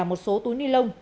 một số túi ni lông